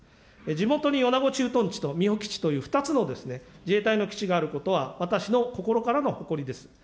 地元に米子駐屯地とみほ基地という２つの自衛隊の基地があることは、私の心からの誇りです。